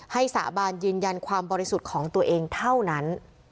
สาบานยืนยันความบริสุทธิ์ของตัวเองเท่านั้น